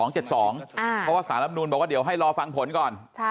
เพราะว่าสารรับนูนบอกว่าเดี๋ยวให้รอฟังผลก่อน